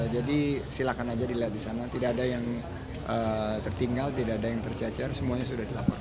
jadi silakan saja dilihat di sana tidak ada yang tertinggal tidak ada yang tercacar semuanya sudah dilaporkan